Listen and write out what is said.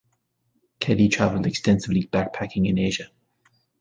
Kelly traveled extensively backpacking in Asia.